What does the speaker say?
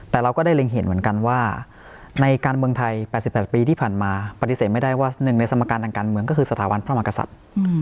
แต่เราก็ได้เล็งเห็นเหมือนกันว่าในการเมืองไทย๘๘ปีที่ผ่านมาปฏิเสธไม่ได้ว่าหนึ่งในสมการทางการเมืองก็คือสถาบันพระมกษัตริย์